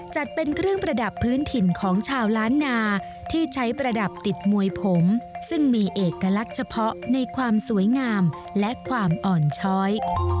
จัดเป็นเครื่องประดับพื้นถิ่นของชาวล้านนาที่ใช้ประดับติดมวยผมซึ่งมีเอกลักษณ์เฉพาะในความสวยงามและความอ่อนช้อย